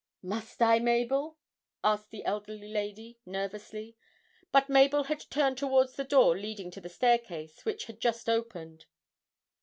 'Must I, Mabel?' asked the elderly lady, nervously; but Mabel had turned towards the door leading to the staircase, which had just opened.